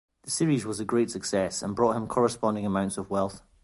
The series was a great success and brought him corresponding amounts of wealth.